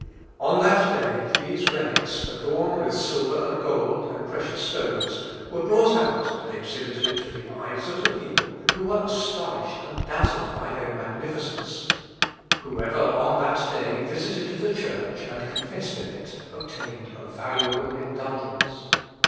On that day these relics, adorned with silver and gold, and precious stones, were brought out and exhibited to the eyes of the people, who were astonished and dazzled by their magnificence. Whoever on that day visited the church and confessed in it obtained a valuable indulgence.